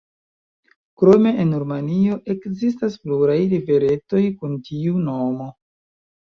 Krome en Rumanio ekzistas pluraj riveretoj kun tiu nomo.